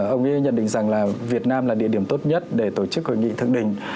ông ấy nhận định rằng việt nam là địa điểm tốt nhất để tổ chức hội nghị thượng đình